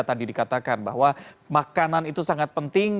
tadi dikatakan bahwa makanan itu sangat penting